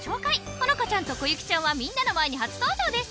ホノカちゃんとコユキちゃんはみんなの前に初登場です